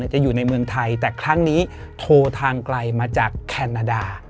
จะอยู่ในเมืองไทยแต่ครั้งนี้โทรทางไกลมาจากแคนาดา